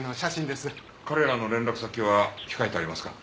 彼らの連絡先は控えてありますか？